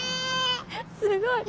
すごい。